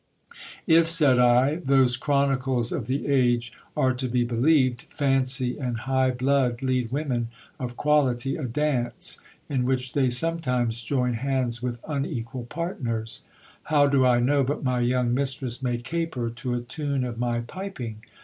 If, said I, those chronicles of the age are to be believed, fancy and high blood lead women of quality a dance, in which they sometimes join hands with unequal partners : how do I know but my young mistress may caper to a tune of my piping